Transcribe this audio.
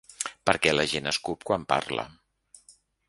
Perquè la gent escup quan parla.